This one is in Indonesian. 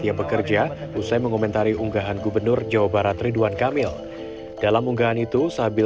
yang bekerja usai mengomentari unggahan gubernur jawa barat ridwan kamil dalam unggahan itu sabil